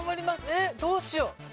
えっどうしよう。